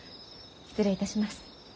失礼いたします。